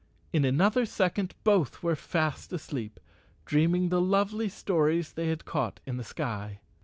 In another second both were fast asleep— dreaming the lovely stories they had caught in the sky.